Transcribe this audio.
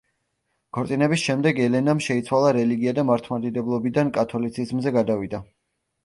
ქორწინების შემდეგ ელენამ შეიცვალა რელიგია და მართლმადიდებლობიდან კათოლიციზმზე გადავიდა.